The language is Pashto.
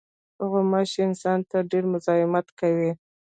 غوماشې انسان ته ډېر مزاحمت کوي.